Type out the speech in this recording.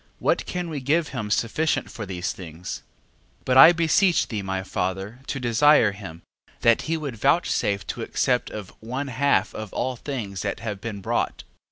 What can we give him sufficient for these things? 12:4. But I beseech thee, my father, to desire him, that he would vouchsafe to accept of one half of all things that have been brought.